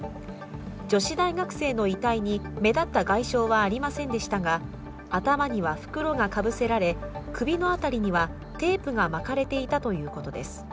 女子大学生の遺体に目立った外傷はありませんでしたが、頭には袋がかぶせられ、首の辺りにはテープが巻かれていたということです。